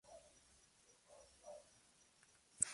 En el ámbito profesional, es arquitecto y restaurador.